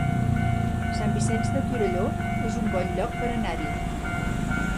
Sant Vicenç de Torelló es un bon lloc per anar-hi